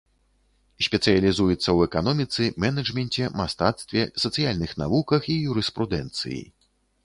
Спецыялізуецца ў эканоміцы, менеджменце, мастацтве, сацыяльных навуках і юрыспрудэнцыі.